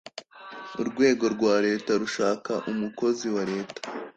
urwego rwa leta rushaka umukozi wa leta